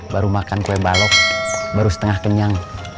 baru makan kue balok baru setengah kenyang